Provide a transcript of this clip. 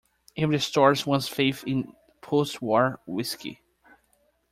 It restores one's faith in post-war whisky.